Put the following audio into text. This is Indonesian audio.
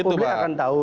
nah publik akan tahu